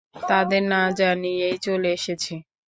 তাদের না জানিয়েই চলে এসেছি।